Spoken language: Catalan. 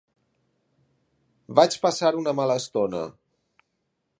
Vaig passar una mala estona.